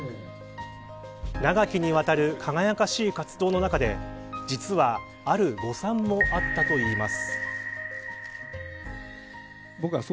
長きにわたる輝かしい活動の中で実はある誤算もあったといいます。